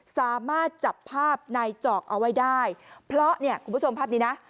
สามารถจับภาพนายจอกเอาไว้ได้เพราะเนี่ยคุณผู้ชมภาพนี้นะ